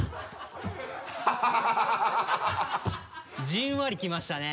じんわりきましたね。